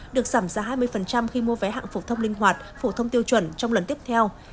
được giảm giá hai mươi khi mua vé hạng phổ thông linh hoạt phổ thông tiêu chuẩn trong lần tiếp theo